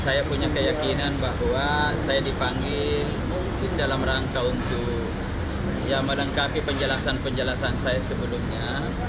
saya punya keyakinan bahwa saya dipanggil mungkin dalam rangka untuk melengkapi penjelasan penjelasan saya sebelumnya